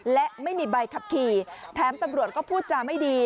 และไม่มีใบขับขี่แถมตำรวจก็พูดจาไม่ดี